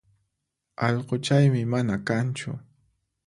Allquchaymi mana kanchu